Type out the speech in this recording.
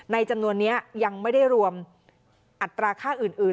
จำนวนนี้ยังไม่ได้รวมอัตราค่าอื่น